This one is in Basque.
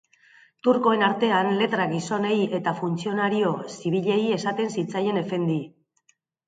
Turkoen artean letra-gizonei eta funtzionario zibilei esaten zitzaien efendi.